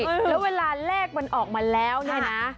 แล้วเวลาเลขมันออกมาแล้วเนี่ยนะ